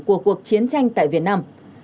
của cuộc chiến tranh tại việt nam